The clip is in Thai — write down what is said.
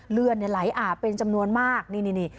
เลือดเนี่ยไหลอาบเป็นจำนวนมากนี่นี่นี่